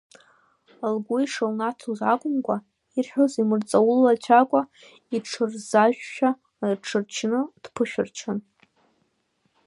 Лгәы ишылнаҭоз акәымкәа, ирҳәоз имырҵаулацәакәа, иҽырзажәшәа иҽырчны дԥышәырччон.